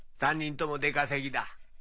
３人とも出稼ぎだ。